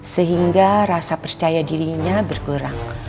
sehingga rasa percaya dirinya berkurang